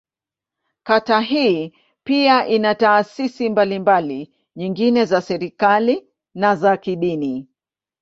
Kata hii pia ina taasisi mbalimbali nyingine za serikali, na za kidini.